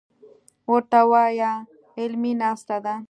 ورته وايه علمي ناسته ده.